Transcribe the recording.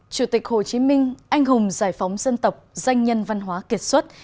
chủ tịch hồ chí minh anh hùng giải phóng dân tộc danh nhân văn hóa kiệt xuất